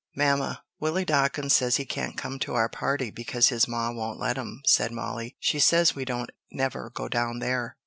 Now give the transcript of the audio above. "Mamma, Willie Dawkins says he can't come to our party because his ma won't let him," said Mollie. "She says we don't never go down there."